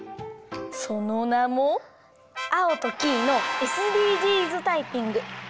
そのなも「アオとキイのＳＤＧｓタイピング」。